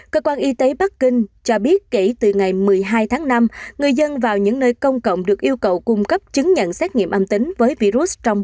cơ quan y tế bắc kinh cho biết kể từ ngày một mươi hai tháng năm người dân vào những nơi công cộng được yêu cầu cung cấp chứng nhận xét nghiệm âm tính với virus